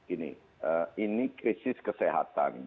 ini krisis kesehatan